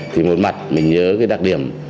thì một mặt mình nhớ cái đặc điểm